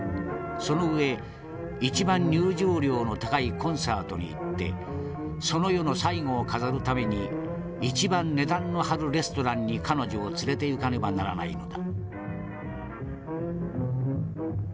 その上一番入場料の高いコンサートに行ってその夜の最後を飾るために一番値段の張るレストランに彼女を連れていかねばならないのだ」。